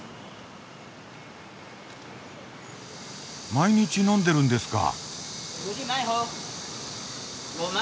毎日飲んでるんですか？